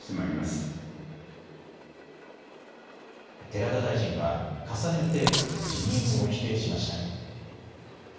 寺田大臣は、重ねて辞任を否定しました。